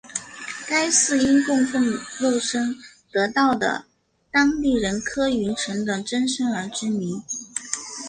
该寺因供奉肉身得道的当地人柯云尘的真身而知名。